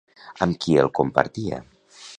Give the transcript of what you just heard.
Amb qui el compartia?